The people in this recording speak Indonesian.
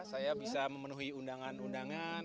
saya bisa memenuhi undangan undangan